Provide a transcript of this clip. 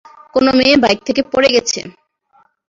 কোনো মেয়ে বাইক থেকে পড়ে গেছে!